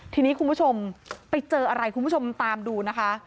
ทีนี้คุณผู้ชมไปเจออะไรคุณผู้ชมตามดูนะคะ